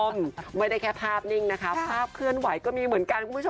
ไม่ได้แค่ภาพนิ่งภาพเคลื่อนไหวก็มีเหมือนกัน